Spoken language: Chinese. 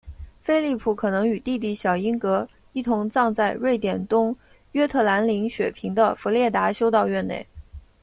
菲里普可能与弟弟小英格一同葬在瑞典东约特兰林雪坪的弗列达修道院内。